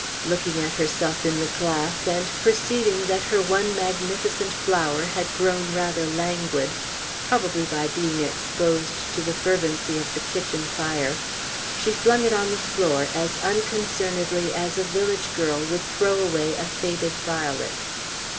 Looking at herself in the glass, and perceiving that her one magnificent flower had grown rather languid (probably by being exposed to the fervency of the kitchen fire), she flung it on the floor, as unconcernedly as a village girl would throw away a faded violet.